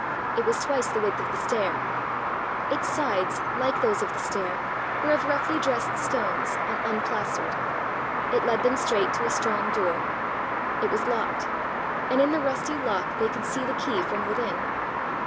It was twice the width of the stair. Its sides, like those of the stair, were of roughly dressed stones, and unplastered. It led them straight to a strong door. It was locked, and in the rusty lock they could see the key from within.